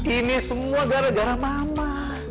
ini semua gara gara mama